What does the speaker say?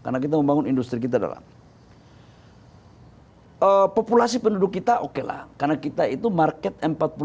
karena kita membangun industri kita dalam populasi penduduk kita okelah karena kita itu market m empat puluh tiga